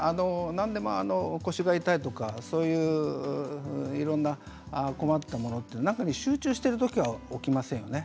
何でも腰が痛いとかいろんな困ったもの何かに集中してるときはきませんよね。